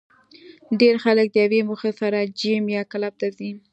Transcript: ډېری خلک د یوې موخې سره جېم یا کلب ته ځي